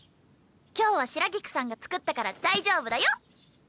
今日は白菊さんが作ったから大丈夫だよ。